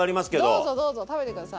どうぞどうぞ食べて下さい。